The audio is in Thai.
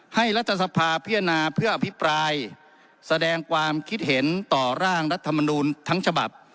รัฐสภาพิจารณาเพื่ออภิปรายแสดงความคิดเห็นต่อร่างรัฐมนูลทั้งฉบับ